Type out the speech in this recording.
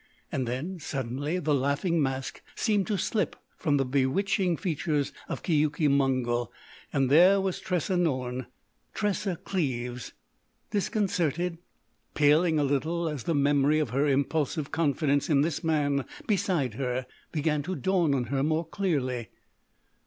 And then, suddenly, the laughing mask seemed to slip from the bewitching features of Keuke Mongol; and there was Tressa Norne—Tressa Cleves—disconcerted, paling a little as the memory of her impulsive confidence in this man beside her began to dawn on her more clearly.